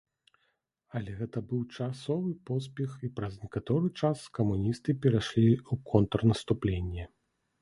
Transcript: Але гэта быў часовы поспех і праз некаторы час камуністы перайшлі ў контрнаступленне.